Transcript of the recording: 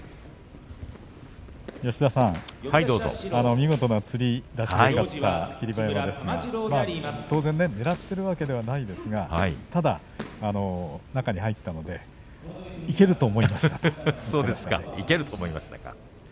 見事なつりを見せた霧馬山ですが当然、ねらっているわけではないですがただ中に入ったのでいけると思いましたと語っていました。